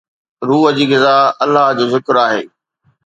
روح جي غذا الله جو ذڪر آهي